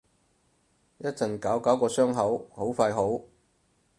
一陣搞搞個傷口，好快好